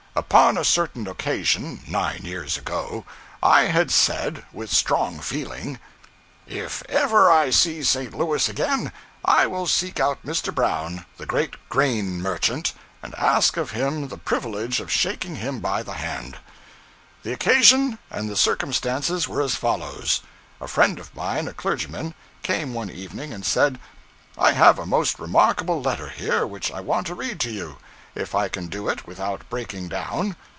Upon a certain occasion, nine years ago, I had said, with strong feeling, 'If ever I see St. Louis again, I will seek out Mr. Brown, the great grain merchant, and ask of him the privilege of shaking him by the hand.' The occasion and the circumstances were as follows. A friend of mine, a clergyman, came one evening and said 'I have a most remarkable letter here, which I want to read to you, if I can do it without breaking down.